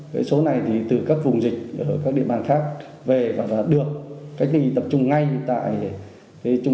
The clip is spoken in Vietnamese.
cái số này thì từ các vùng dịch ở các địa bàn khác về và được cách ly tập trung ngay tại trung tâm cách ly tập trung